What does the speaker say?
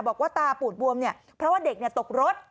บอกว่าตาปูดบวมเนี่ยเพราะว่าเด็กตกรถ